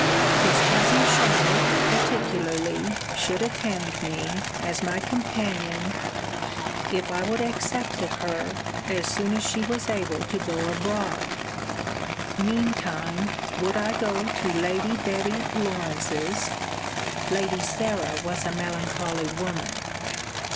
His cousin Charlotte, particularly, should attend me, as my companion, if I would accept of her, as soon as she was able to go abroad. Mean time, would I go to Lady Betty Lawrance's (Lady Sarah was a melancholy woman)?